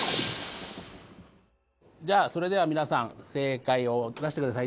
じゃあそれではみなさん正解を出してください。